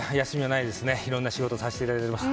いろんな仕事をさせていただいています。